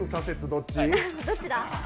どっちだ？